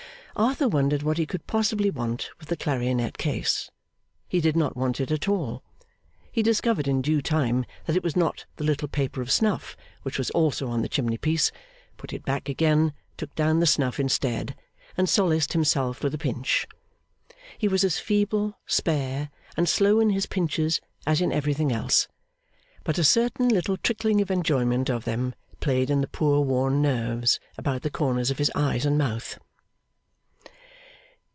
Arthur wondered what he could possibly want with the clarionet case. He did not want it at all. He discovered, in due time, that it was not the little paper of snuff (which was also on the chimney piece), put it back again, took down the snuff instead, and solaced himself with a pinch. He was as feeble, spare, and slow in his pinches as in everything else, but a certain little trickling of enjoyment of them played in the poor worn nerves about the corners of his eyes and mouth.